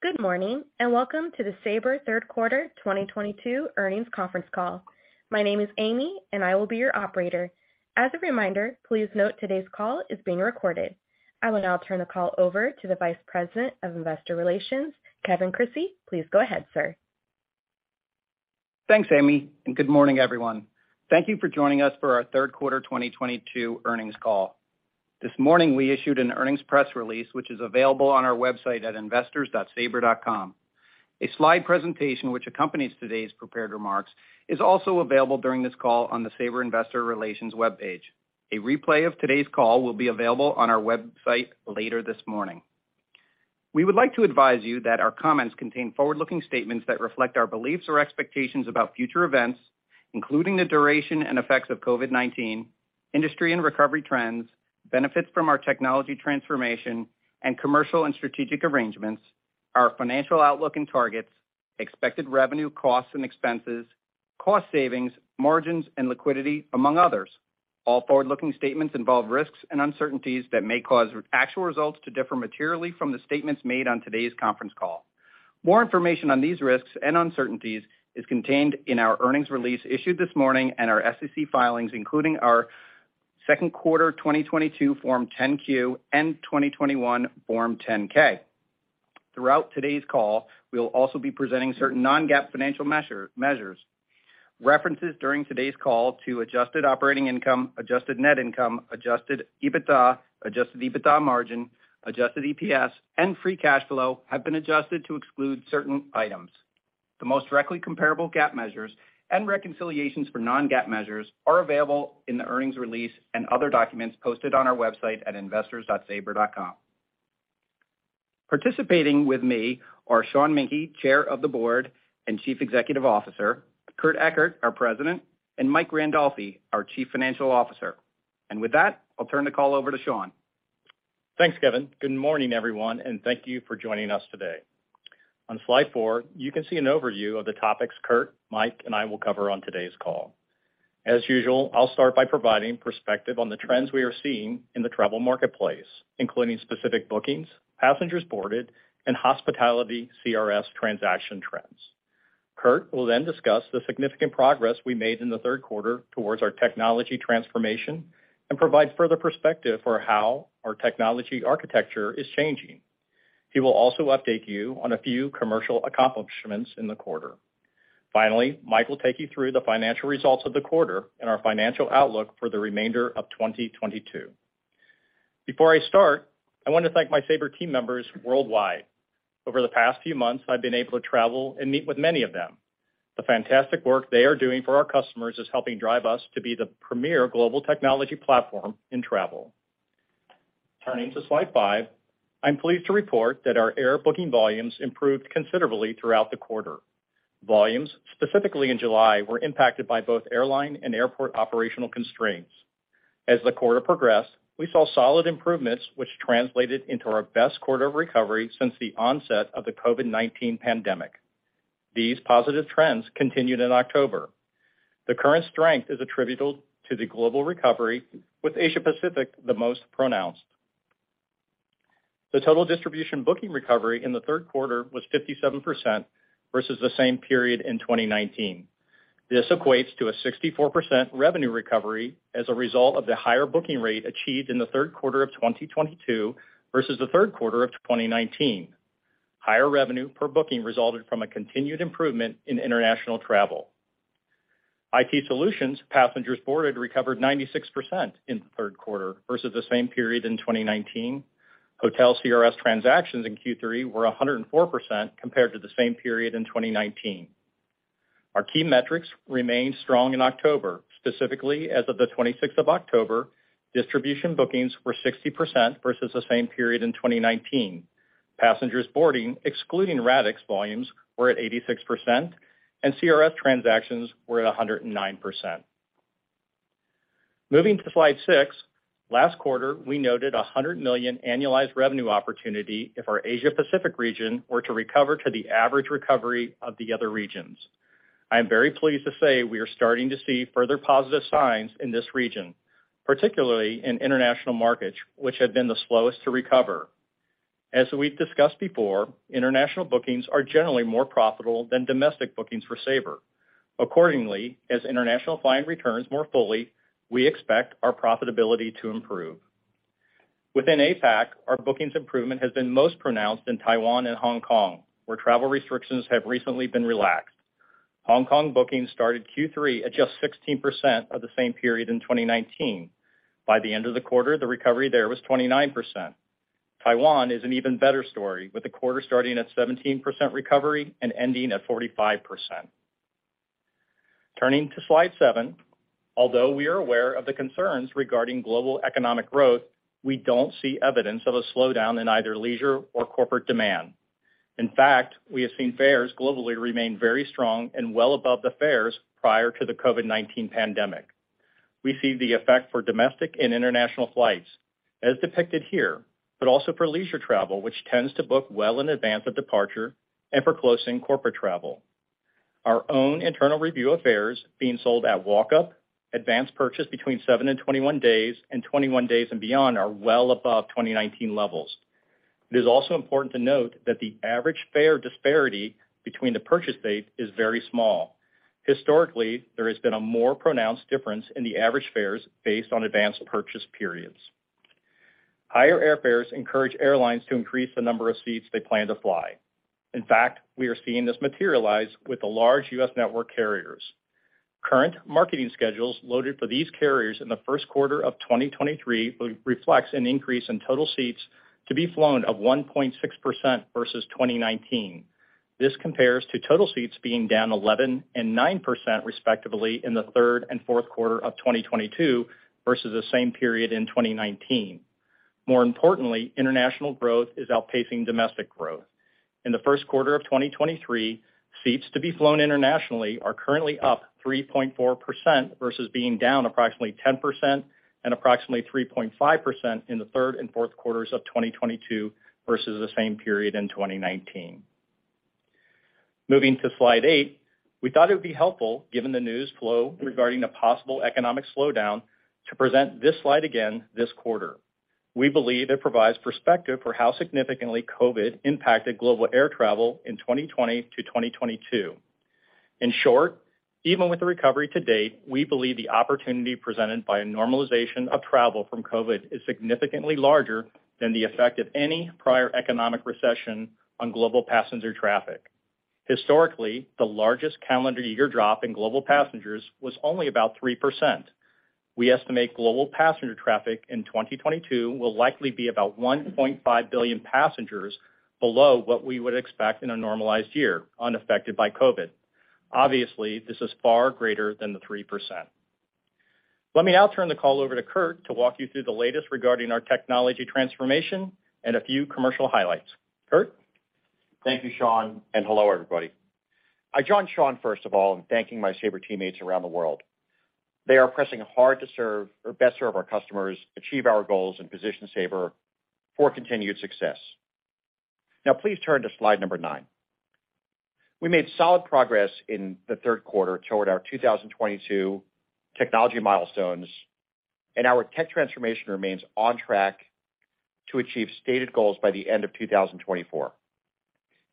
Good morning, and welcome to the Sabre third quarter 2022 earnings conference call. My name is Amy, and I will be your operator. As a reminder, please note today's call is being recorded. I will now turn the call over to the Vice President of Investor Relations, Kevin Crissey. Please go ahead, sir. Thanks, Amy, and good morning, everyone. Thank you for joining us for our third quarter 2022 earnings call. This morning, we issued an earnings press release, which is available on our website at investors.sabre.com. A slide presentation which accompanies today's prepared remarks is also available during this call on the Sabre Investor Relations webpage. A replay of today's call will be available on our website later this morning. We would like to advise you that our comments contain forward-looking statements that reflect our beliefs or expectations about future events, including the duration and effects of COVID-19, industry and recovery trends, benefits from our technology transformation and commercial and strategic arrangements, our financial outlook and targets, expected revenue costs and expenses, cost savings, margins and liquidity, among others. All forward-looking statements involve risks and uncertainties that may cause actual results to differ materially from the statements made on today's conference call. More information on these risks and uncertainties is contained in our earnings release issued this morning and our SEC filings, including our second quarter 2022 Form 10-Q and 2021 Form 10-K. Throughout today's call, we'll also be presenting certain non-GAAP financial measures. References during today's call to adjusted operating income, adjusted net income, adjusted EBITDA, adjusted EBITDA margin, adjusted EPS and free cash flow have been adjusted to exclude certain items. The most directly comparable GAAP measures and reconciliations for non-GAAP measures are available in the earnings release and other documents posted on our website at investors.sabre.com. Participating with me are Sean Menke, Chair of the Board and Chief Executive Officer, Kurt Ekert, our President, and Mike Randolfi, our Chief Financial Officer. With that, I'll turn the call over to Sean. Thanks, Kevin. Good morning, everyone, and thank you for joining us today. On slide four, you can see an overview of the topics Kurt, Mike, and I will cover on today's call. As usual, I'll start by providing perspective on the trends we are seeing in the travel marketplace, including specific bookings, passengers boarded and hospitality CRS transaction trends. Kurt will then discuss the significant progress we made in the third quarter towards our technology transformation and provide further perspective for how our technology architecture is changing. He will also update you on a few commercial accomplishments in the quarter. Finally, Mike will take you through the financial results of the quarter and our financial outlook for the remainder of 2022. Before I start, I want to thank my Sabre team members worldwide. Over the past few months, I've been able to travel and meet with many of them. The fantastic work they are doing for our customers is helping drive us to be the premier global technology platform in travel. Turning to slide five, I'm pleased to report that our air booking volumes improved considerably throughout the quarter. Volumes, specifically in July, were impacted by both airline and airport operational constraints. As the quarter progressed, we saw solid improvements which translated into our best quarter of recovery since the onset of the COVID-19 pandemic. These positive trends continued in October. The current strength is attributable to the global recovery, with Asia-Pacific the most pronounced. The total distribution booking recovery in the third quarter was 57% versus the same period in 2019. This equates to a 64% revenue recovery as a result of the higher booking rate achieved in the third quarter of 2022 versus the third quarter of 2019. Higher revenue per booking resulted from a continued improvement in international travel. IT Solutions passengers boarded recovered 96% in the third quarter versus the same period in 2019. Hotel CRS transactions in Q3 were 104% compared to the same period in 2019. Our key metrics remained strong in October. Specifically, as of the 26th of October, distribution bookings were 60% versus the same period in 2019. Passengers boarding, excluding Radixx volumes, were at 86% and CRS transactions were at 109%. Moving to slide six, last quarter, we noted $100 million annualized revenue opportunity if our Asia-Pacific region were to recover to the average recovery of the other regions. I am very pleased to say we are starting to see further positive signs in this region, particularly in international markets, which have been the slowest to recover. As we've discussed before, international bookings are generally more profitable than domestic bookings for Sabre. Accordingly, as international flying returns more fully, we expect our profitability to improve. Within APAC, our bookings improvement has been most pronounced in Taiwan and Hong Kong, where travel restrictions have recently been relaxed. Hong Kong bookings started Q3 at just 16% of the same period in 2019. By the end of the quarter, the recovery there was 29%. Taiwan is an even better story, with the quarter starting at 17% recovery and ending at 45%. Turning to slide seven, although we are aware of the concerns regarding global economic growth, we don't see evidence of a slowdown in either leisure or corporate demand. In fact, we have seen fares globally remain very strong and well above the fares prior to the COVID-19 pandemic. We see the effect for domestic and international flights as depicted here, but also for leisure travel, which tends to book well in advance of departure and closer for corporate travel. Our own internal review of fares being sold at walk up, advance purchase between seven and 21 days, and 21 days and beyond are well above 2019 levels. It is also important to note that the average fare disparity between the purchase dates is very small. Historically, there has been a more pronounced difference in the average fares based on advance purchase periods. Higher airfares encourage airlines to increase the number of seats they plan to fly. In fact, we are seeing this materialize with the large U.S. network carriers. Current marketing schedules loaded for these carriers in the first quarter of 2023 reflects an increase in total seats to be flown of 1.6% versus 2019. This compares to total seats being down 11% and 9% respectively in the third and fourth quarter of 2022 versus the same period in 2019. More importantly, international growth is outpacing domestic growth. In the first quarter of 2023, seats to be flown internationally are currently up 3.4% versus being down approximately 10% and approximately 3.5% in the third and fourth quarters of 2022 versus the same period in 2019. Moving to slide eight. We thought it would be helpful, given the news flow regarding the possible economic slowdown, to present this slide again this quarter. We believe it provides perspective for how significantly COVID impacted global air travel in 2020 to 2022. In short, even with the recovery to date, we believe the opportunity presented by a normalization of travel from COVID is significantly larger than the effect of any prior economic recession on global passenger traffic. Historically, the largest calendar year drop in global passengers was only about 3%. We estimate global passenger traffic in 2022 will likely be about 1.5 billion passengers below what we would expect in a normalized year unaffected by COVID. Obviously, this is far greater than the 3%. Let me now turn the call over to Kurt to walk you through the latest regarding our technology transformation and a few commercial highlights. Kurt? Thank you, Sean, and hello, everybody. I join Sean first of all in thanking my Sabre teammates around the world. They are pressing hard to best serve our customers, achieve our goals, and position Sabre for continued success. Now please turn to slide number nine. We made solid progress in the third quarter toward our 2022 technology milestones, and our tech transformation remains on track to achieve stated goals by the end of 2024.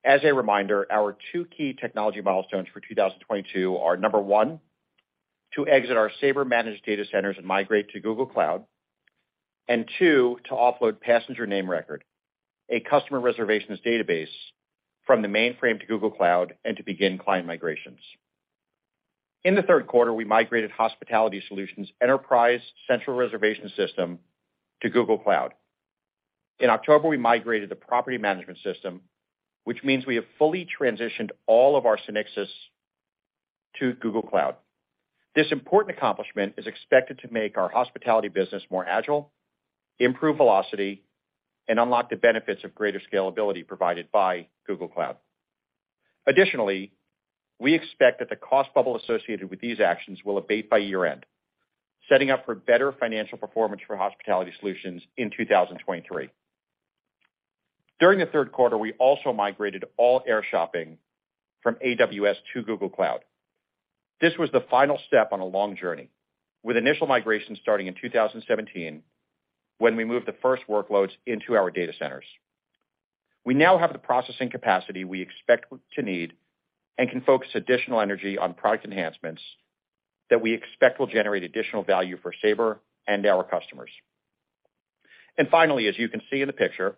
As a reminder, our two key technology milestones for 2022 are, number one, to exit our Sabre-managed data centers and migrate to Google Cloud, and two, to offload Passenger Name Record, a customer reservations database, from the mainframe to Google Cloud and to begin client migrations. In the third quarter, we migrated Hospitality Solutions enterprise central reservation system to Google Cloud. In October, we migrated the property management system, which means we have fully transitioned all of our SynXis to Google Cloud. This important accomplishment is expected to make our hospitality business more agile, improve velocity, and unlock the benefits of greater scalability provided by Google Cloud. Additionally, we expect that the cost bubble associated with these actions will abate by year-end, setting up for better financial performance for Hospitality Solutions in 2023. During the third quarter, we also migrated all air shopping from AWS to Google Cloud. This was the final step on a long journey with initial migration starting in 2017, when we moved the first workloads into our data centers. We now have the processing capacity we expect to need and can focus additional energy on product enhancements that we expect will generate additional value for Sabre and our customers. Finally, as you can see in the picture,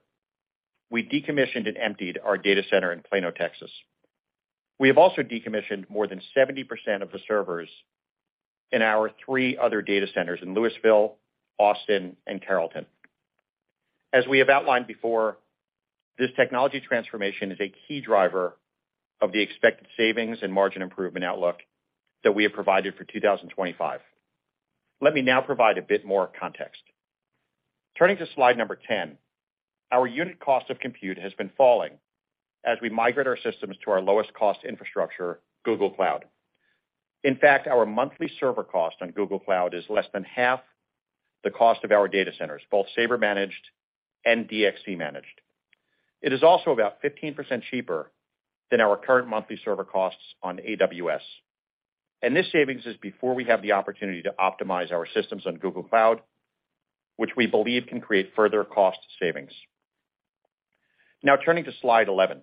we decommissioned and emptied our data center in Plano, Texas. We have also decommissioned more than 70% of the servers in our three other data centers in Lewisville, Austin, and Carrollton. As we have outlined before, this technology transformation is a key driver of the expected savings and margin improvement outlook that we have provided for 2025. Let me now provide a bit more context. Turning to slide 10. Our unit cost of compute has been falling as we migrate our systems to our lowest cost infrastructure, Google Cloud. In fact, our monthly server cost on Google Cloud is less than half the cost of our data centers, both Sabre managed and DXC managed. It is also about 15% cheaper than our current monthly server costs on AWS. This savings is before we have the opportunity to optimize our systems on Google Cloud, which we believe can create further cost savings. Now turning to slide 11.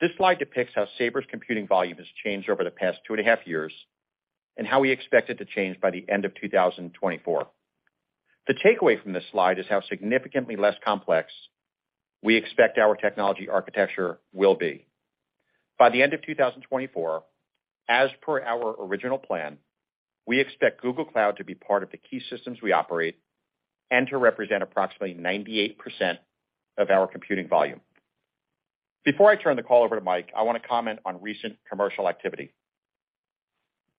This slide depicts how Sabre's computing volume has changed over the past 2.5 years, and how we expect it to change by the end of 2024. The takeaway from this slide is how significantly less complex we expect our technology architecture will be. By the end of 2024, as per our original plan, we expect Google Cloud to be part of the key systems we operate and to represent approximately 98% of our computing volume. Before I turn the call over to Mike, I want to comment on recent commercial activity.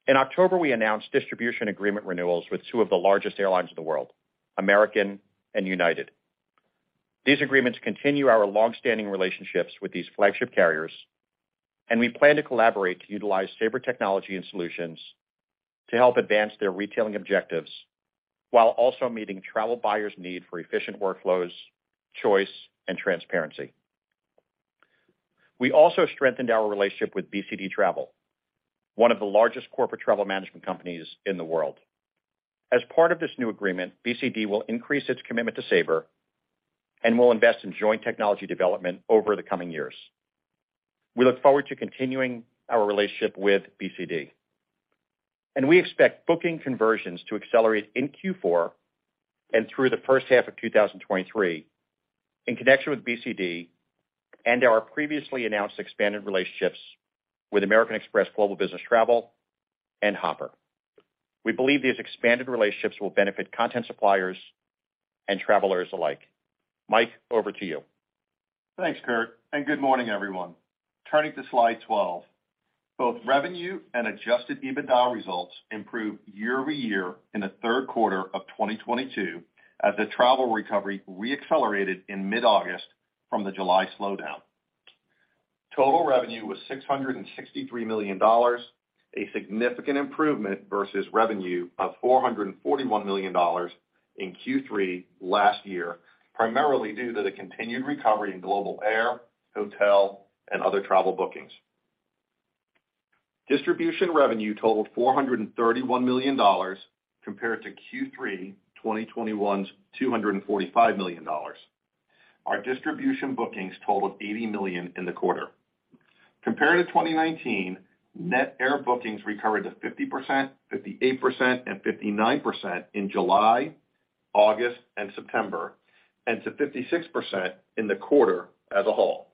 In October, we announced distribution agreement renewals with two of the largest airlines in the world, American and United. These agreements continue our long-standing relationships with these flagship carriers, and we plan to collaborate to utilize Sabre technology and solutions to help advance their retailing objectives while also meeting travel buyers' need for efficient workflows, choice, and transparency. We also strengthened our relationship with BCD Travel, one of the largest corporate travel management companies in the world. As part of this new agreement, BCD will increase its commitment to Sabre and will invest in joint technology development over the coming years. We look forward to continuing our relationship with BCD, and we expect booking conversions to accelerate in Q4 and through the first half of 2023 in connection with BCD and our previously announced expanded relationships with American Express Global Business Travel and Hopper. We believe these expanded relationships will benefit content suppliers and travelers alike. Mike, over to you. Thanks, Kurt, and good morning, everyone. Turning to slide 12. Both revenue and adjusted EBITDA results improved year-over-year in the third quarter of 2022 as the travel recovery re-accelerated in mid-August from the July slowdown. Total revenue was $663 million, a significant improvement versus revenue of $441 million in Q3 last year, primarily due to the continued recovery in global air, hotel, and other travel bookings. Distribution revenue totaled $431 million compared to Q3 2021's $245 million. Our distribution bookings totaled $80 million in the quarter. Compared to 2019, net air bookings recovered to 50%, 58%, and 59% in July, August, and September, and to 56% in the quarter as a whole.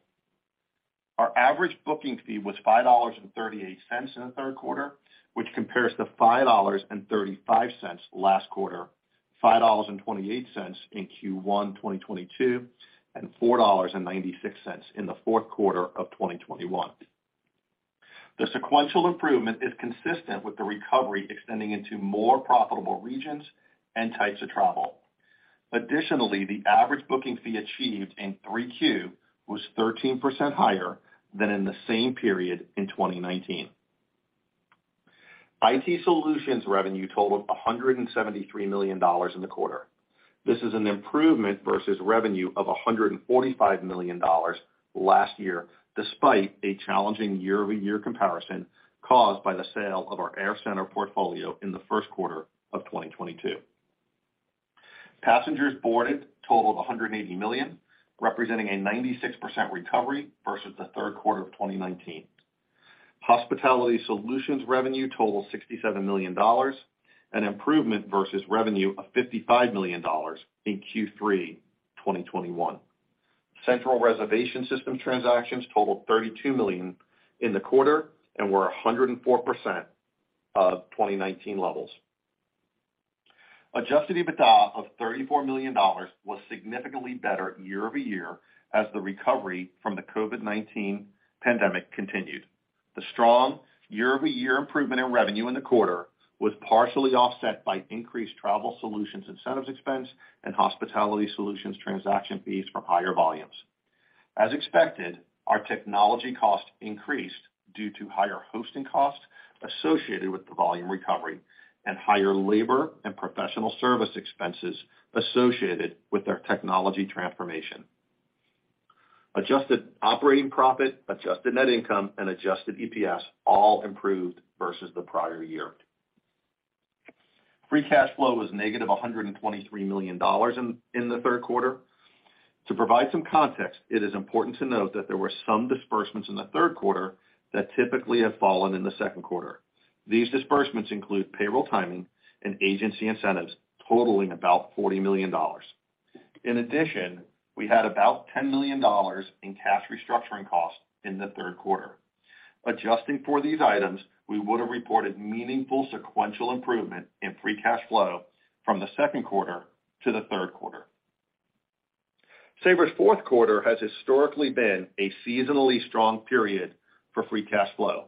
Our average booking fee was $5.38 in the third quarter, which compares to $5.35 last quarter, $5.28 in Q1 2022, and $4.96 in the fourth quarter of 2021. The sequential improvement is consistent with the recovery extending into more profitable regions and types of travel. Additionally, the average booking fee achieved in 3Q was 13% higher than in the same period in 2019. IT Solutions revenue totaled $173 million in the quarter. This is an improvement versus revenue of $145 million last year, despite a challenging year-over-year comparison caused by the sale of our AirCentre portfolio in the first quarter of 2022. Passengers boarded totaled 180 million, representing a 96% recovery versus Q3 2019. Hospitality Solutions revenue totaled $67 million, an improvement versus revenue of $55 million in Q3 2021. Central reservation system transactions totaled 32 million in the quarter and were 104% of 2019 levels. Adjusted EBITDA of $34 million was significantly better year-over-year as the recovery from the COVID-19 pandemic continued. The strong year-over-year improvement in revenue in the quarter was partially offset by increased travel solutions incentives expense and Hospitality Solutions transaction fees from higher volumes. As expected, our technology costs increased due to higher hosting costs associated with the volume recovery and higher labor and professional service expenses associated with our technology transformation. Adjusted operating profit, adjusted net income, and adjusted EPS all improved versus the prior year. Free cash flow was negative $123 million in the third quarter. To provide some context, it is important to note that there were some disbursements in the third quarter that typically have fallen in the second quarter. These disbursements include payroll timing and agency incentives totaling about $40 million. In addition, we had about $10 million in cash restructuring costs in the third quarter. Adjusting for these items, we would have reported meaningful sequential improvement in free cash flow from the second quarter to the third quarter. Sabre's fourth quarter has historically been a seasonally strong period for free cash flow.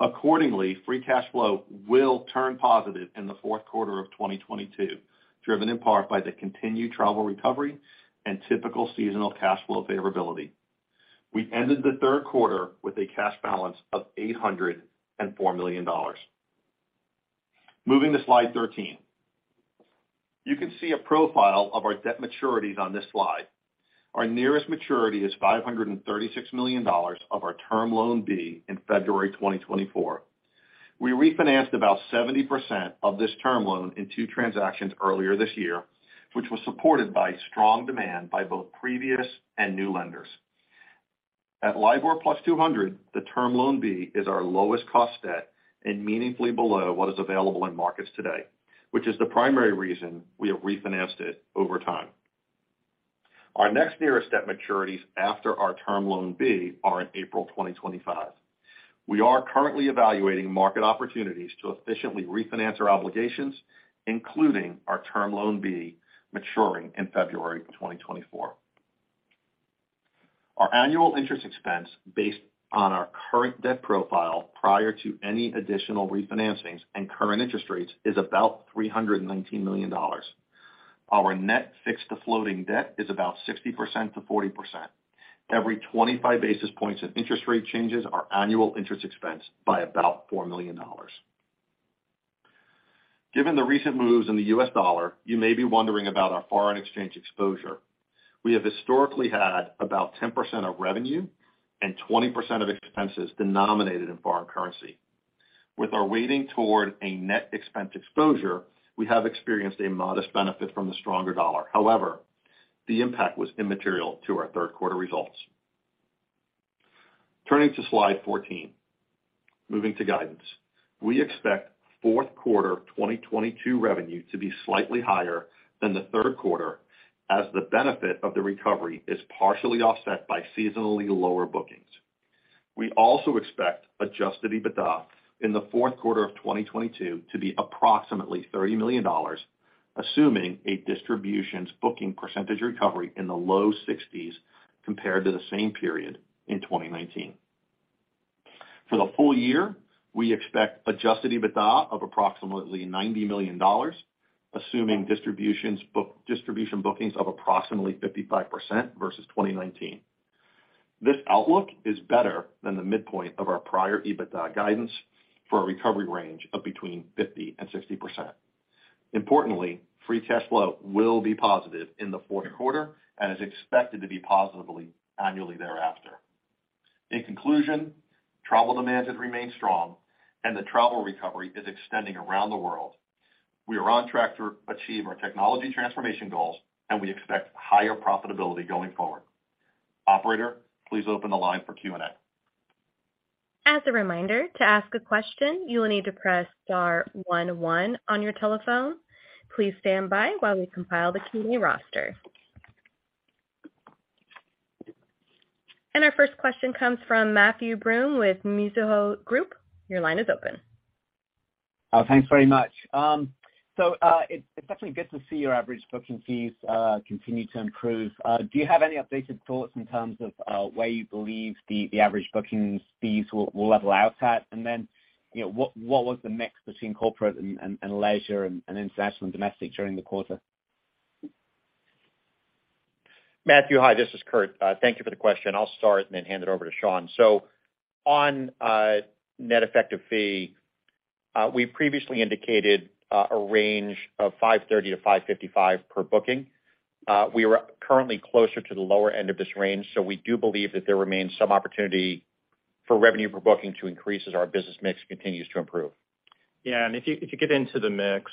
Accordingly, free cash flow will turn positive in the fourth quarter of 2022, driven in part by the continued travel recovery and typical seasonal cash flow favorability. We ended the third quarter with a cash balance of $804 million. Moving to slide 13. You can see a profile of our debt maturities on this slide. Our nearest maturity is $536 million of our Term Loan B in February 2024. We refinanced about 70% of this term loan in two transactions earlier this year, which was supported by strong demand by both previous and new lenders. At LIBOR plus 200, the Term Loan B is our lowest cost debt and meaningfully below what is available in markets today, which is the primary reason we have refinanced it over time. Our next nearest debt maturities after our Term Loan B are in April 2025. We are currently evaluating market opportunities to efficiently refinance our obligations, including our Term Loan B maturing in February 2024. Our annual interest expense based on our current debt profile prior to any additional refinancings and current interest rates is about $319 million. Our net fixed to floating debt is about 60%-40%. Every 25 basis points of interest rate changes our annual interest expense by about $4 million. Given the recent moves in the U.S. dollar, you may be wondering about our foreign exchange exposure. We have historically had about 10% of revenue and 20% of expenses denominated in foreign currency. With our weighting toward a net expense exposure, we have experienced a modest benefit from the stronger dollar. However, the impact was immaterial to our third quarter results. Turning to slide 14, moving to guidance. We expect fourth quarter 2022 revenue to be slightly higher than the third quarter as the benefit of the recovery is partially offset by seasonally lower bookings. We also expect adjusted EBITDA in the fourth quarter of 2022 to be approximately $30 million, assuming a distribution bookings percentage recovery in the low 60s% compared to the same period in 2019. For the full-year, we expect adjusted EBITDA of approximately $90 million, assuming distribution bookings of approximately 55% versus 2019. This outlook is better than the midpoint of our prior EBITDA guidance for a recovery range of between 50% and 60%. Importantly, free cash flow will be positive in the fourth quarter and is expected to be positive annually thereafter. In conclusion, travel demand has remained strong and the travel recovery is extending around the world. We are on track to achieve our technology transformation goals and we expect higher profitability going forward. Operator, please open the line for Q&A. As a reminder, to ask a question, you will need to press star one one on your telephone. Please stand by while we compile the Q&A roster. Our first question comes from Matthew Broome with Mizuho Group. Your line is open. Thanks very much. So, it's definitely good to see your average booking fees continue to improve. Do you have any updated thoughts in terms of where you believe the average bookings fees will level out at? Then, you know, what was the mix between corporate and leisure and international and domestic during the quarter? Matthew, hi, this is Kurt. Thank you for the question. I'll start and then hand it over to Sean. On net effective fee, we previously indicated a range of $5.30-$5.55 per booking. We are currently closer to the lower end of this range, so we do believe that there remains some opportunity for revenue per booking to increase as our business mix continues to improve. Yeah, and if you get into the mix,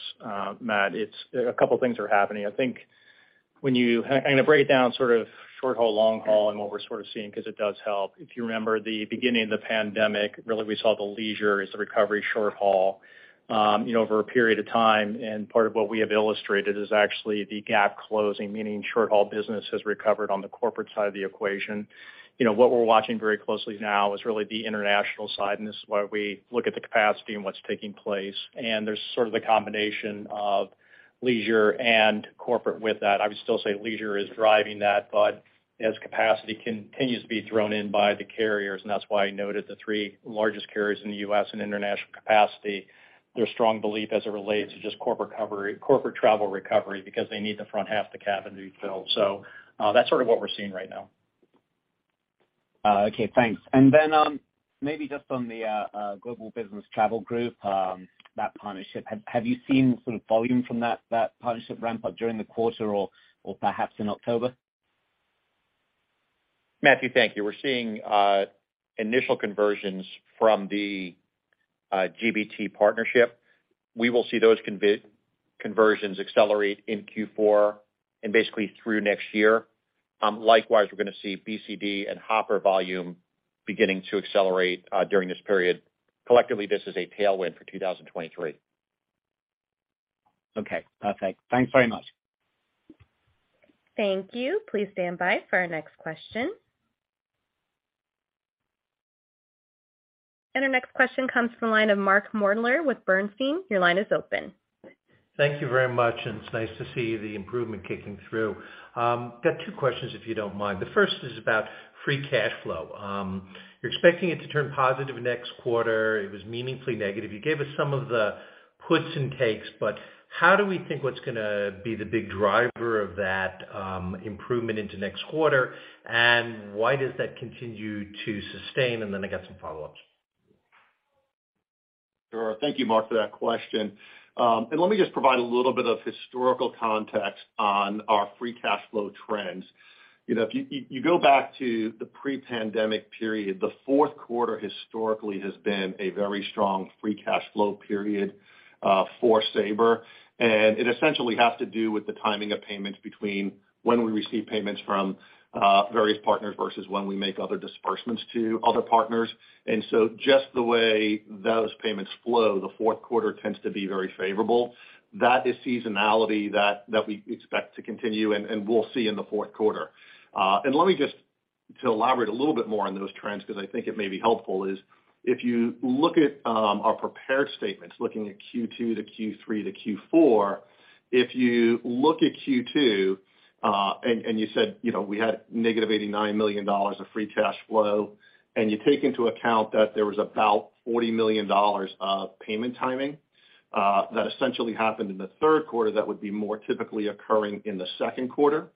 Matt, it's a couple things are happening. A breakdown sort of short haul, long haul and what we're sort of seeing, 'cause it does help. If you remember the beginning of the pandemic, really we saw the leisure as the recovery short haul, you know, over a period of time, and part of what we have illustrated is actually the gap closing, meaning short haul business has recovered on the corporate side of the equation. You know, what we're watching very closely now is really the international side, and this is why we look at the capacity and what's taking place. There's sort of the combination of leisure and corporate with that. I would still say leisure is driving that, but as capacity continues to be thrown in by the carriers, and that's why I noted the three largest carriers in the U.S. and international capacity, their strong belief as it relates is just corporate recovery, corporate travel recovery because they need the front half of the cabin to be filled. That's sort of what we're seeing right now. Okay, thanks. Maybe just on the Global Business Travel Group, that partnership. Have you seen sort of volume from that partnership ramp up during the quarter or perhaps in October? Matthew, thank you. We're seeing initial conversions from the GBT partnership. We will see those conversions accelerate in Q4 and basically through next year. Likewise, we're gonna see BCD and Hopper volume beginning to accelerate during this period. Collectively, this is a tailwind for 2023. Okay, perfect. Thanks very much. Thank you. Please stand by for our next question. Our next question comes from the line of Mark Moerdler with Bernstein. Your line is open. Thank you very much, and it's nice to see the improvement kicking through. Got two questions if you don't mind. The first is about free cash flow. You're expecting it to turn positive next quarter. It was meaningfully negative. You gave us some of the puts and takes, but how do we think what's gonna be the big driver of that, improvement into next quarter, and why does that continue to sustain? I got some follow-ups. Sure. Thank you, Mark, for that question. Let me just provide a little bit of historical context on our free cash flow trends. You know, if you go back to the pre-pandemic period, the fourth quarter historically has been a very strong free cash flow period for Sabre, and it essentially has to do with the timing of payments between when we receive payments from various partners versus when we make other disbursements to other partners. Just the way those payments flow, the fourth quarter tends to be very favorable. That is seasonality that we expect to continue and we'll see in the fourth quarter. Let me just to elaborate a little bit more on those trends, because I think it may be helpful if you look at our prepared statements, looking at Q2 to Q3 to Q4. If you look at Q2, and you said, you know, we had negative $89 million of free cash flow, and you take into account that there was about $40 million of payment timing that essentially happened in the third quarter that would be more typically occurring in the second quarter.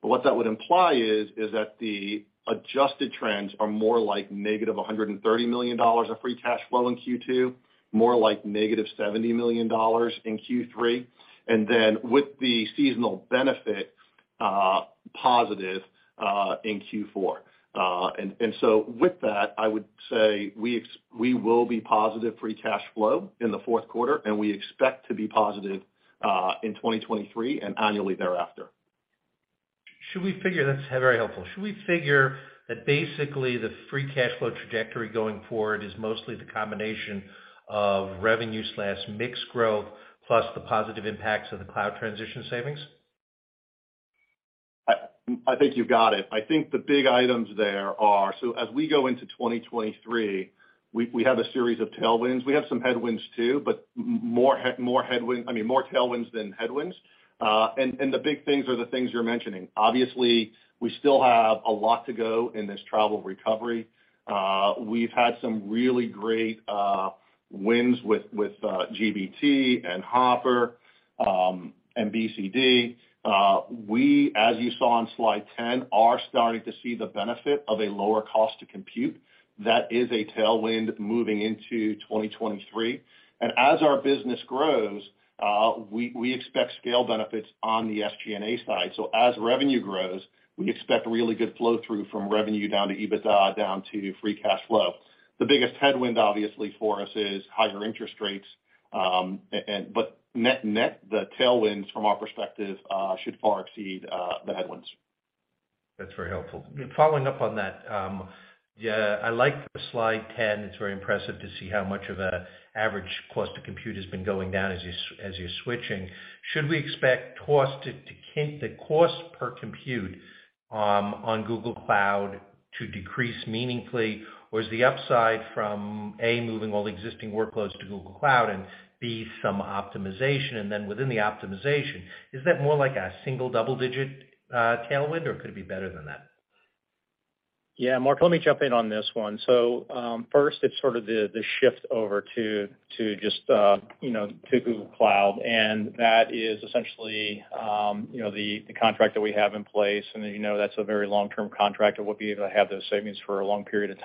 What that would imply is that the adjusted trends are more like -$130 million of free cash flow in Q2, more like negative $70 million in Q3, and then with the seasonal benefit, positive in Q4. With that, I would say we will be positive free cash flow in the fourth quarter, and we expect to be positive in 2023 and annually thereafter. That's very helpful. Should we figure that basically the free cash flow trajectory going forward is mostly the combination of revenue slash mixed growth plus the positive impacts of the cloud transition savings? I think you've got it. I think the big items there are, so as we go into 2023, we have a series of tailwinds. We have some headwinds too, but I mean more tailwinds than headwinds. The big things are the things you're mentioning. Obviously, we still have a lot to go in this travel recovery. We've had some really great wins with GBT and Hopper, and BCD. We, as you saw on slide 10, are starting to see the benefit of a lower cost to compute that is a tailwind moving into 2023. As our business grows, we expect scale benefits on the SG&A side. As revenue grows, we expect really good flow through from revenue down to EBITDA, down to free cash flow. The biggest headwind, obviously, for us is higher interest rates, but net, the tailwinds from our perspective should far exceed the headwinds. That's very helpful. Following up on that, yeah, I like the slide 10. It's very impressive to see how much of an average cost to compute has been going down as you're switching. Should we expect the cost per compute on Google Cloud to decrease meaningfully? Or is the upside from, A, moving all existing workloads to Google Cloud and, B, some optimization? Within the optimization, is that more like a single double-digit tailwind, or could it be better than that? Yeah, Mark, let me jump in on this one. First, it's sort of the shift over to just, you know, to Google Cloud, and that is essentially, you know, the contract that we have in place. You know, that's a very long-term contract. It will be able to have those savings for a long period of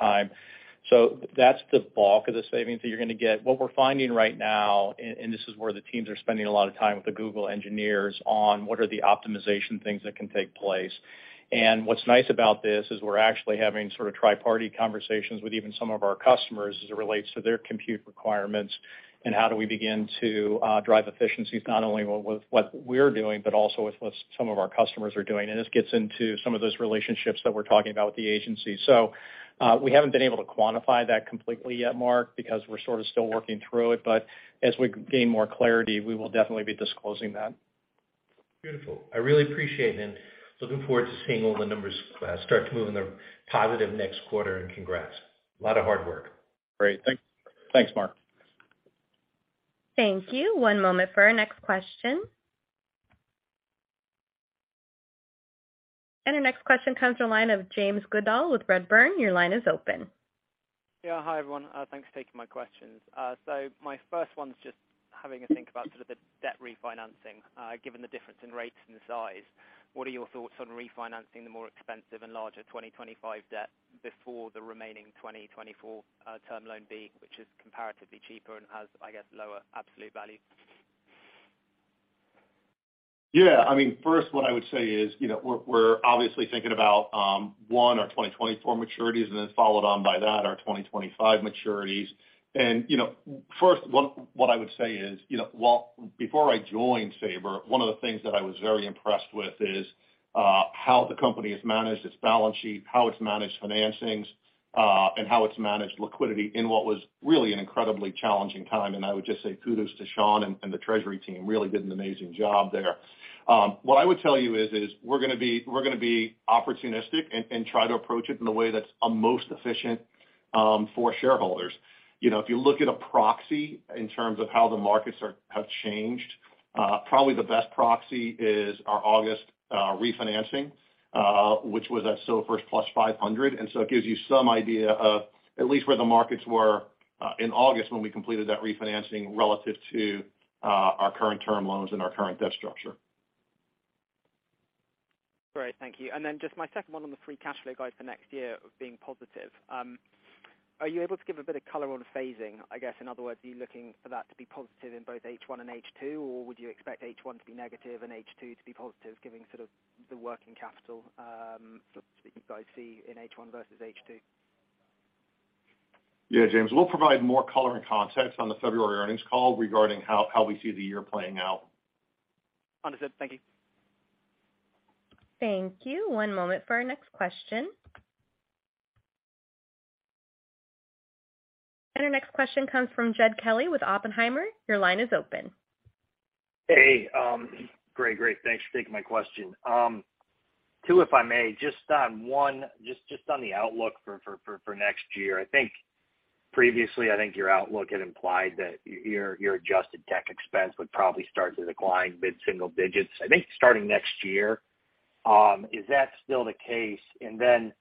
time. That's the bulk of the savings that you're gonna get. What we're finding right now, this is where the teams are spending a lot of time with the Google engineers on what are the optimization things that can take place. What's nice about this is we're actually having sort of tri-party conversations with even some of our customers as it relates to their compute requirements and how do we begin to drive efficiencies not only with what we're doing, but also with what some of our customers are doing. This gets into some of those relationships that we're talking about with the agency. We haven't been able to quantify that completely yet, Mark, because we're sort of still working through it. As we gain more clarity, we will definitely be disclosing that. Beautiful. I really appreciate and looking forward to seeing all the numbers start to move in the positive next quarter, and congrats. A lot of hard work. Great. Thanks, Mark. Thank you. One moment for our next question. Our next question comes from the line of James Goodall with Redburn. Your line is open. Yeah. Hi, everyone. Thanks for taking my questions. My first one's just having a think about sort of the debt refinancing. Given the difference in rates and the size, what are your thoughts on refinancing the more expensive and larger 2025 debt before the remaining 2024 Term Loan B, which is comparatively cheaper and has, I guess, lower absolute value? Yeah. I mean, first, what I would say is, you know, we're obviously thinking about our 2024 maturities, and then followed on by that, our 2025 maturities. What I would say is, well, before I joined Sabre, one of the things that I was very impressed with is how the company has managed its balance sheet, how it's managed financings, and how it's managed liquidity in what was really an incredibly challenging time. I would just say kudos to Sean and the treasury team. They really did an amazing job there. What I would tell you is, we're gonna be opportunistic and try to approach it in a way that's most efficient for shareholders. You know, if you look at a proxy in terms of how the markets have changed, probably the best proxy is our August refinancing, which was at SOFR plus 500. It gives you some idea of at least where the markets were in August when we completed that refinancing relative to our current term loans and our current debt structure. Great. Thank you. Just my second one on the free cash flow guide for next year being positive. Are you able to give a bit of color on phasing? I guess, in other words, are you looking for that to be positive in both H1 and H2, or would you expect H1 to be negative and H2 to be positive, giving sort of the working capital, that you guys see in H1 versus H2? Yeah, James. We'll provide more color and context on the February earnings call regarding how we see the year playing out. Understood. Thank you. Thank you. One moment for our next question. Our next question comes from Jed Kelly with Oppenheimer. Your line is open. Hey, great. Thanks for taking my question. Two, if I may. Just on one, just on the outlook for next year. I think previously, your outlook had implied that your adjusted tech expense would probably start to decline mid-single digits, I think, starting next year. Is that still the case? And then,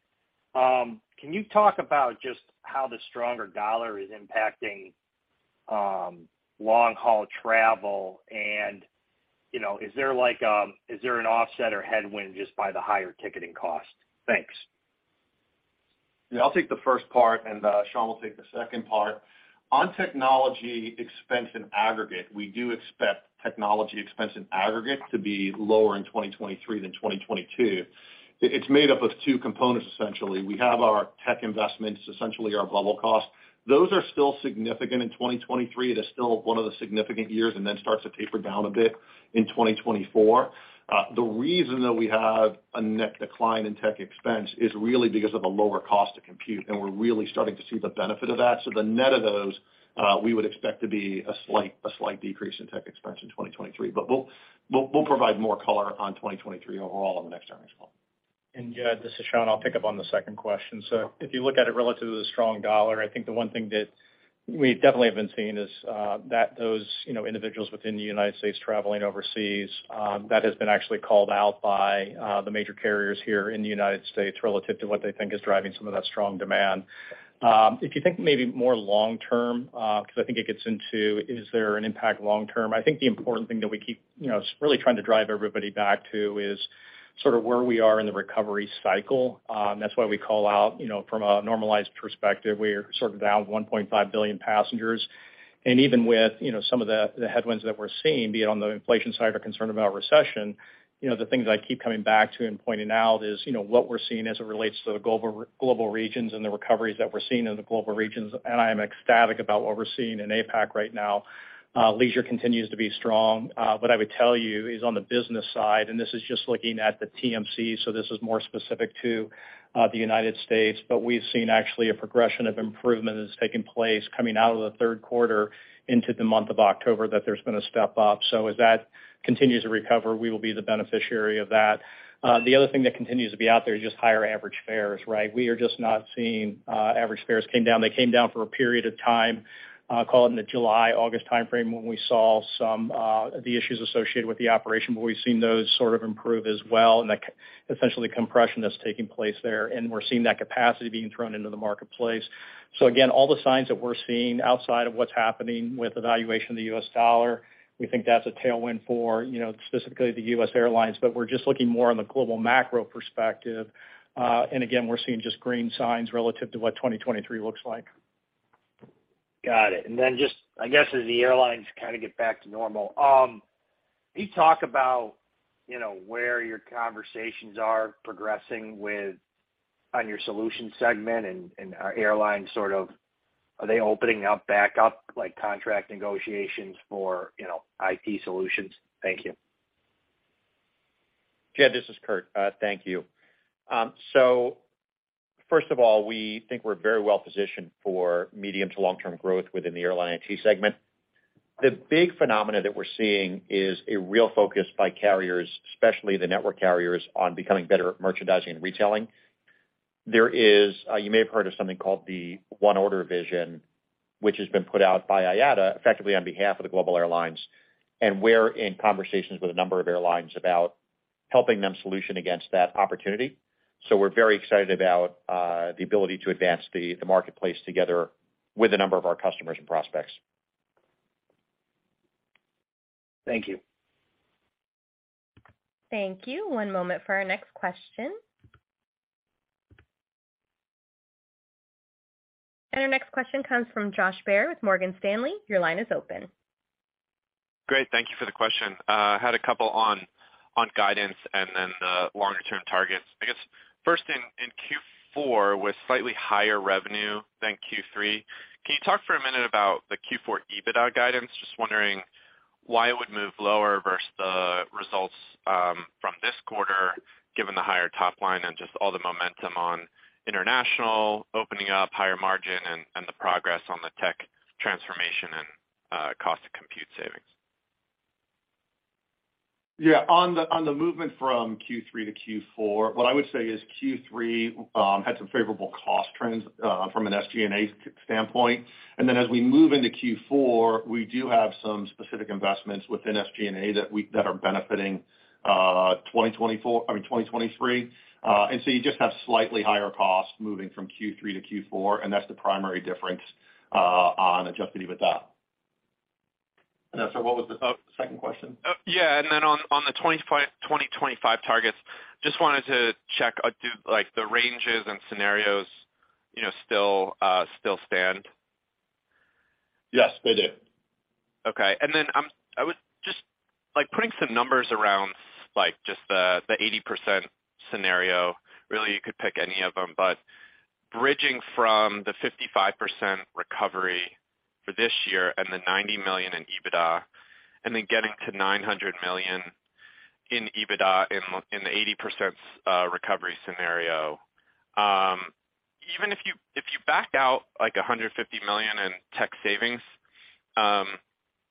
can you talk about just how the stronger dollar is impacting long-haul travel? And, you know, is there like an offset or headwind just by the higher ticketing cost? Thanks. Yeah, I'll take the first part, and Sean will take the second part. On technology expense in aggregate, we do expect technology expense in aggregate to be lower in 2023 than 2022. It's made up of two components, essentially. We have our tech investments, essentially our CapEx costs. Those are still significant in 2023. It is still one of the significant years and then starts to taper down a bit in 2024. The reason that we have a net decline in tech expense is really because of a lower cost to compute, and we're really starting to see the benefit of that. The net of those, we would expect to be a slight decrease in tech expense in 2023. We'll provide more color on 2023 overall on the next earnings call. Yeah, this is Sean. I'll pick up on the second question. If you look at it relative to the strong dollar, I think the one thing that we definitely have been seeing is that those, you know, individuals within the United States traveling overseas, that has been actually called out by the major carriers here in the United States relative to what they think is driving some of that strong demand. If you think maybe more long term, because I think it gets into is there an impact long term, I think the important thing that we keep, you know, really trying to drive everybody back to is sort of where we are in the recovery cycle. That's why we call out, you know, from a normalized perspective, we are sort of down 1.5 billion passengers. Even with, you know, some of the headwinds that we're seeing, be it on the inflation side or concern about recession, you know, the things I keep coming back to and pointing out is, you know, what we're seeing as it relates to the global regions and the recoveries that we're seeing in the global regions, and I am ecstatic about what we're seeing in APAC right now. Leisure continues to be strong. What I would tell you is on the business side, and this is just looking at the TMC, so this is more specific to the United States, but we've seen actually a progression of improvement that has taken place coming out of the third quarter into the month of October that there's been a step up. As that continues to recover, we will be the beneficiary of that. The other thing that continues to be out there is just higher average fares, right? We are just not seeing average fares came down. They came down for a period of time, call it in the July, August timeframe when we saw some the issues associated with the operation, but we've seen those sort of improve as well, and that essentially compression that's taking place there. We're seeing that capacity being thrown into the marketplace. Again, all the signs that we're seeing outside of what's happening with the valuation of the U.S. dollar, we think that's a tailwind for, you know, specifically the U.S. airlines. We're just looking more on the global macro perspective. Again, we're seeing just green signs relative to what 2023 looks like. Got it. Just I guess as the airlines kind of get back to normal, can you talk about, you know, where your conversations are progressing with on your Solutions segment and are airlines sort of opening up back up, like contract negotiations for, you know, IT Solutions? Thank you. Jed, this is Kurt. Thank you. First of all, we think we're very well positioned for medium to long-term growth within the airline IT segment. The big phenomena that we're seeing is a real focus by carriers, especially the network carriers, on becoming better at merchandising and retailing. There is, you may have heard of something called the ONE Order vision, which has been put out by IATA, effectively on behalf of the global airlines. We're in conversations with a number of airlines about helping them solution against that opportunity. We're very excited about the ability to advance the marketplace together with a number of our customers and prospects. Thank you. Thank you. One moment for our next question. Our next question comes from Josh Baer with Morgan Stanley. Your line is open. Great. Thank you for the question. Had a couple on guidance and then the longer-term targets. I guess first in Q4, with slightly higher revenue than Q3, can you talk for a minute about the Q4 EBITDA guidance? Just wondering why it would move lower versus the results from this quarter, given the higher top line and just all the momentum on international opening up higher margin and the progress on the tech transformation and cost to compute savings. Yeah. On the movement from Q3 to Q4, what I would say is Q3 had some favorable cost trends from an SG&A standpoint. As we move into Q4, we do have some specific investments within SG&A that are benefiting 2024, I mean, 2023. You just have slightly higher costs moving from Q3 to Q4, and that's the primary difference on adjusted EBITDA. What was the oh, second question? Yeah. On the 2025 targets, just wanted to check, do, like, the ranges and scenarios, you know, still stand? Yes, they do. Okay. I was just, like, putting some numbers around, like, just the 80% scenario. Really, you could pick any of them, but bridging from the 55% recovery for this year and the $90 million in EBITDA, and then getting to $900 million in EBITDA in the 80% recovery scenario. Even if you back out, like, $150 million in tech savings, I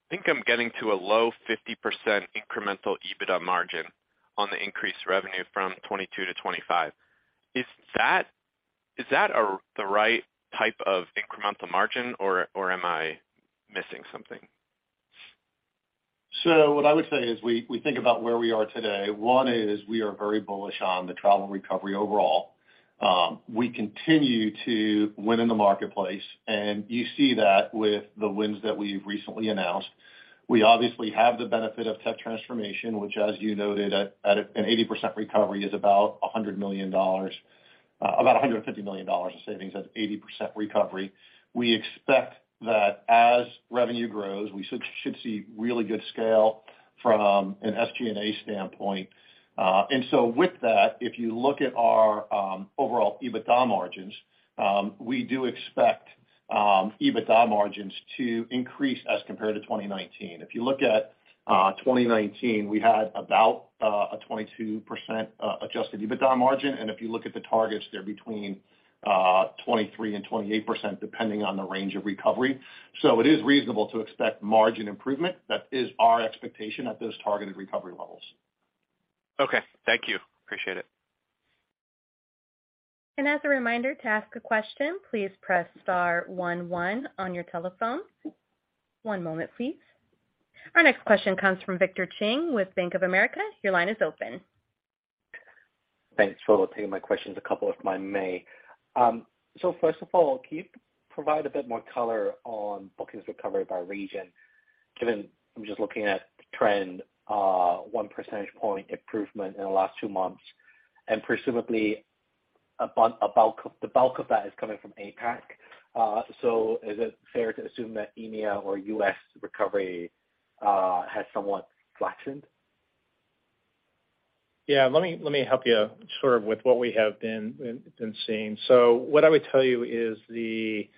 think I'm getting to a low 50% incremental EBITDA margin on the increased revenue from 2022 to 2025. Is that the right type of incremental margin, or am I missing something? What I would say is we think about where we are today. One is we are very bullish on the travel recovery overall. We continue to win in the marketplace, and you see that with the wins that we've recently announced. We obviously have the benefit of tech transformation, which as you noted at an 80% recovery is about $100 million, about $150 million in savings at 80% recovery. We expect that as revenue grows, we should see really good scale from an SG&A standpoint. With that, if you look at our overall EBITDA margins, we do expect EBITDA margins to increase as compared to 2019. If you look at 2019, we had about a 22% adjusted EBITDA margin. If you look at the targets, they're between 23% and 28%, depending on the range of recovery. It is reasonable to expect margin improvement. That is our expectation at those targeted recovery levels. Okay. Thank you. Appreciate it. As a reminder, to ask a question, please press star one one on your telephone. One moment, please. Our next question comes from Victor Chang with Bank of America. Your line is open. Thanks for taking my questions, a couple if I may. First of all, can you provide a bit more color on bookings recovery by region, given I'm just looking at the trend, one percentage point improvement in the last two months, and presumably about the bulk of that is coming from APAC. Is it fair to assume that EMEA or U.S. recovery has somewhat flattened? Yeah, let me help you sort of with what we have been seeing. What I would tell you is the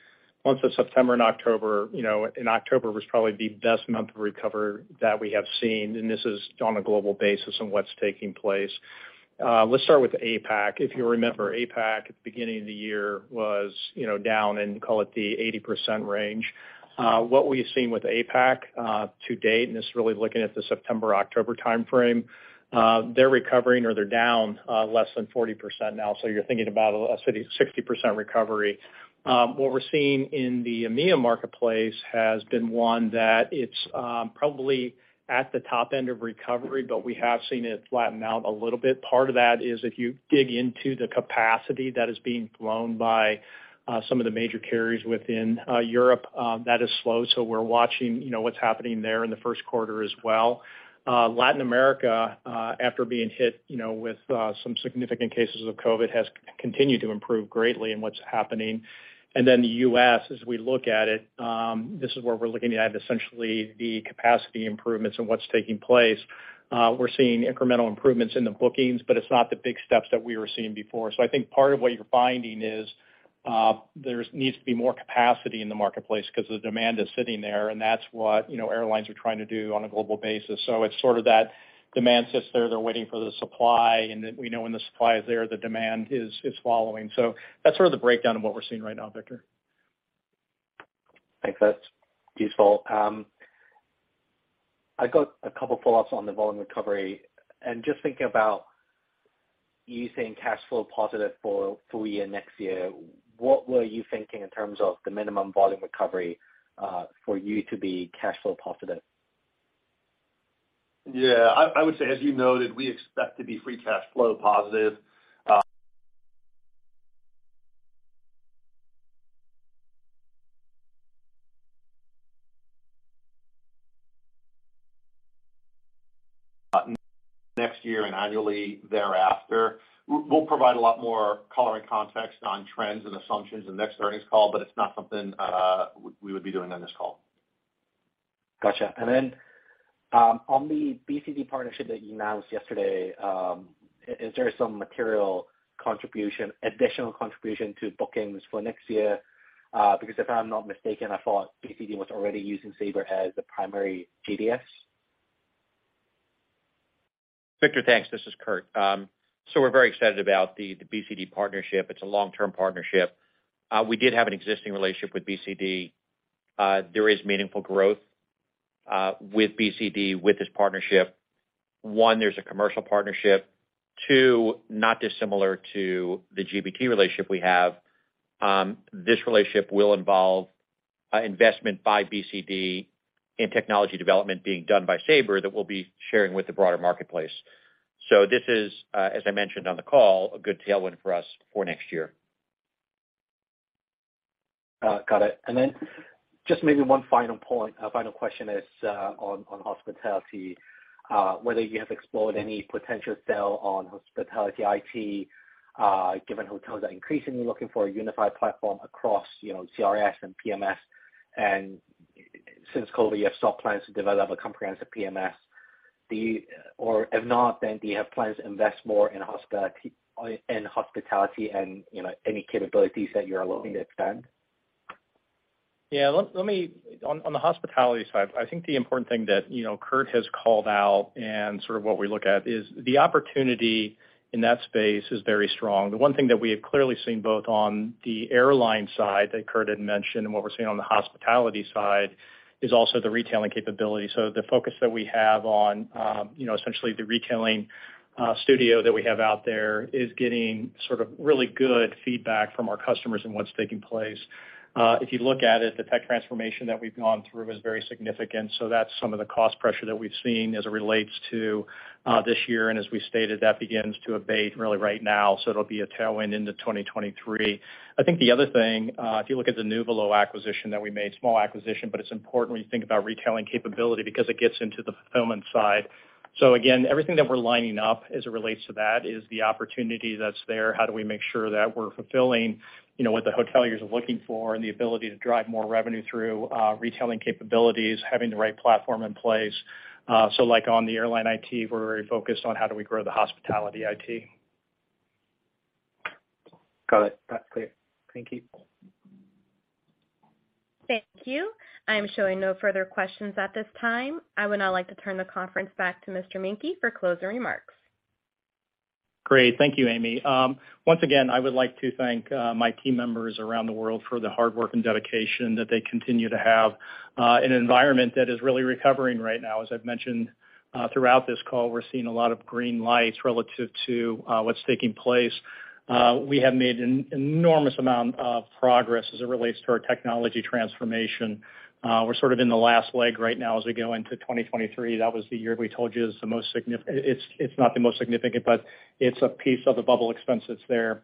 months of September and October, you know, and October was probably the best month of recovery that we have seen, and this is on a global basis on what's taking place. Let's start with APAC. If you remember, APAC at the beginning of the year was, you know, down in, call it, the 80% range. What we've seen with APAC to date, and this is really looking at the September-October timeframe, they're recovering or they're down less than 40% now, so you're thinking about a 60% recovery. What we're seeing in the EMEA marketplace has been one that it's probably at the top end of recovery, but we have seen it flatten out a little bit. Part of that is if you dig into the capacity that is being flown by some of the major carriers within Europe, that is slow, so we're watching, you know, what's happening there in the first quarter as well. Latin America, after being hit, you know, with some significant cases of COVID, has continued to improve greatly in what's happening. Then the U.S., as we look at it, this is where we're looking at essentially the capacity improvements and what's taking place. We're seeing incremental improvements in the bookings, but it's not the big steps that we were seeing before. I think part of what you're finding is, there needs to be more capacity in the marketplace 'cause the demand is sitting there, and that's what, you know, airlines are trying to do on a global basis. It's sort of that demand sits there, they're waiting for the supply, and then we know when the supply is there, the demand is following. That's sort of the breakdown of what we're seeing right now, Victor. I think that's useful. I got a couple follow-ups on the volume recovery. Just thinking about you saying cash flow positive for full-year next year, what were you thinking in terms of the minimum volume recovery, for you to be cash flow positive? Yeah. I would say, as you noted, we expect to be free cash flow positive next year and annually thereafter. We'll provide a lot more color and context on trends and assumptions in the next earnings call, but it's not something we would be doing on this call. Gotcha. On the BCD partnership that you announced yesterday, is there some material contribution, additional contribution to bookings for next year? Because if I'm not mistaken, I thought BCD was already using Sabre as the primary GDS. Victor, thanks. This is Kurt. We're very excited about the BCD partnership. It's a long-term partnership. We did have an existing relationship with BCD. There is meaningful growth with BCD with this partnership. One, there's a commercial partnership. Two, not dissimilar to the GBT relationship we have, this relationship will involve investment by BCD and technology development being done by Sabre that we'll be sharing with the broader marketplace. This is, as I mentioned on the call, a good tailwind for us for next year. Got it. Just maybe one final point, final question is on hospitality, whether you have explored any potential sale on hospitality IT, given hotels are increasingly looking for a unified platform across, you know, CRS and PMS. Since COVID, you have stopped plans to develop a comprehensive PMS. Or if not, then do you have plans to invest more in hospitality and, you know, any capabilities that you're looking to expand? Yeah. On the hospitality side, I think the important thing that, you know, Kurt has called out and sort of what we look at is the opportunity in that space is very strong. The one thing that we have clearly seen both on the airline side, that Kurt had mentioned, and what we're seeing on the hospitality side, is also the retailing capability. The focus that we have on, you know, essentially the retailing studio that we have out there is getting sort of really good feedback from our customers and what's taking place. If you look at it, the tech transformation that we've gone through is very significant, so that's some of the cost pressure that we've seen as it relates to this year. As we stated, that begins to abate really right now, so it'll be a tailwind into 2023. I think the other thing, if you look at the Nuvola acquisition that we made, small acquisition, but it's important when you think about retailing capability because it gets into the fulfillment side. Again, everything that we're lining up as it relates to that is the opportunity that's there. How do we make sure that we're fulfilling, you know, what the hoteliers are looking for and the ability to drive more revenue through retailing capabilities, having the right platform in place. Like on the airline IT, we're very focused on how do we grow the hospitality IT. Got it. That's clear. Thank you. Thank you. I am showing no further questions at this time. I would now like to turn the conference back to Sean Menke for closing remarks. Great. Thank you, Amy. Once again, I would like to thank my team members around the world for the hard work and dedication that they continue to have in an environment that is really recovering right now. As I've mentioned throughout this call, we're seeing a lot of green lights relative to what's taking place. We have made an enormous amount of progress as it relates to our technology transformation. We're sort of in the last leg right now as we go into 2023. That was the year we told you is. It's not the most significant, but it's a piece of the bubble expense that's there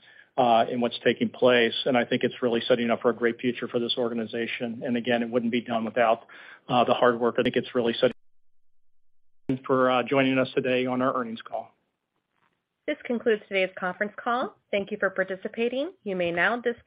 in what's taking place, and I think it's really setting up for a great future for this organization. Again, it wouldn't be done without the hard work. I think it's really set for joining us today on our earnings call. This concludes today's conference call. Thank you for participating. You may now disconnect.